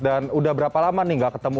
dan sudah berapa lama nih gak ketemu